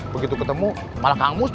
begitu ketemu malah kang mus nih